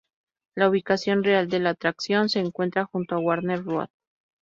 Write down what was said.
La ubicación real de la atracción se encuentra junto a Warner Road.